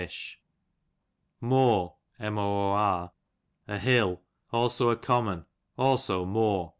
Moor, a hill; also a common^ also more.